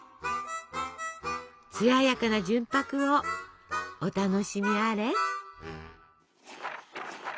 艶やかな純白をお楽しみあれ！